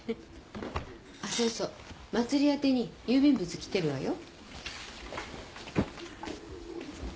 あそうそう茉莉宛てに郵便物来てるわよ。